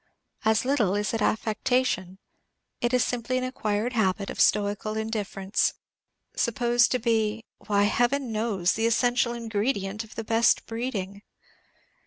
As little is it affectation; it is simply an acquired habit of stoical indifference, supposed to be why, Heaven knows! the essential ingredient of the best breeding.